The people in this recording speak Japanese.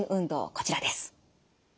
こちらです。